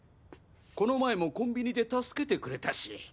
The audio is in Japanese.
この前もコンビニで助けてくれたし。